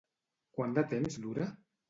Quant de temps dura?